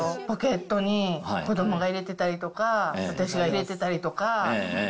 ポケットに子どもが入れてたりとか、私が入れてたりとか。